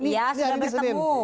ya sudah bertemu